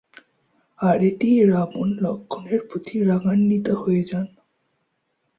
আর এতেই রাবণ লক্ষ্মণের প্রতি রাগান্বিত হয়ে যান।